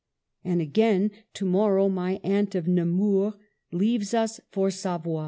And again, to morrow my aunt of Nemours leaves us for Savoy.